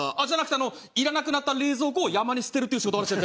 じゃなくていらなくなった冷蔵庫を山に捨てるっていう仕事を。